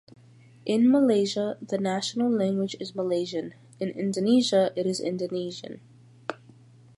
In Malaysia, the national language is Malaysian; in Indonesia, it is Indonesian.